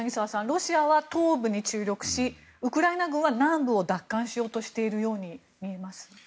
ロシアは東部に注力しウクライナ軍は南部を奪還しようとしているように見えます。